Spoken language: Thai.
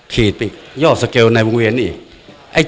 ขีดไปยอดสเกลในวงเวียนอีก